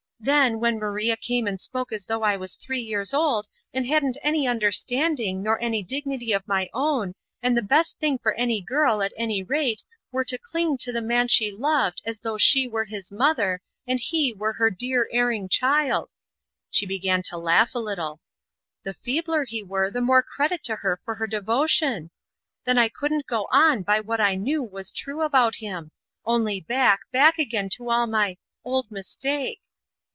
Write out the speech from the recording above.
Then, when Maria came and spoke as though I was three years old, and hadn't any understanding nor any dignity of my own, and the best thing for any girl, at any rate, were to cling to the man she loved as though she were his mother and he were her dear, erring child" (she began to laugh a little), "the feebler he were the more credit to her for her devotion then I couldn't go on by what I knew was true about him only back, back again to all my old mistake."